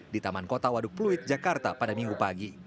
di taman kota waduk pluit jakarta pada minggu pagi